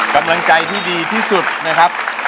กำลังใจที่ดีที่สุดนะครับ